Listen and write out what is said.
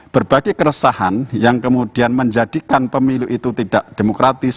berbagai keresahan yang kemudian menjadikan pemilu itu tidak demokratis